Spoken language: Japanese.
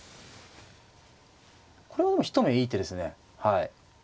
これはもう一目いい手ですね。